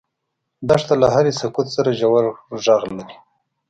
دښته له هرې سکوت سره ژور غږ لري.